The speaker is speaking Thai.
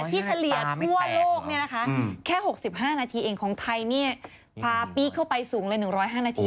เฉลี่ยทั่วโลกแค่๖๕นาทีเองของไทยพาปีกเข้าไปสูงเลย๑๐๕นาที